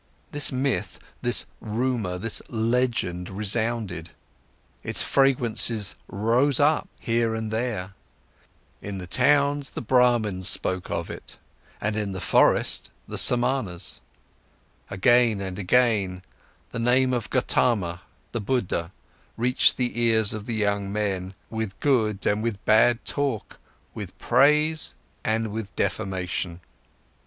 This myth, this rumour, this legend resounded, its fragrance rose up, here and there; in the towns, the Brahmans spoke of it and in the forest, the Samanas; again and again, the name of Gotama, the Buddha reached the ears of the young men, with good and with bad talk, with praise and with defamation.